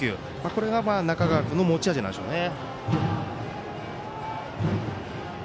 これが中川君の持ち味なんでしょうね。